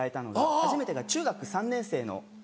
初めてが中学３年生の時。